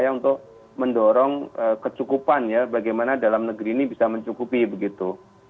untuk mendorong kecukupan ya bagaimana dalam negeri ini bisa mencukupi begitu